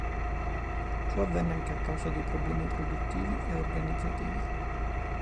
Ciò avvenne anche a causa di problemi produttivi e organizzativi.